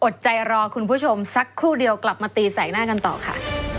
ใจรอคุณผู้ชมสักครู่เดียวกลับมาตีแสกหน้ากันต่อค่ะ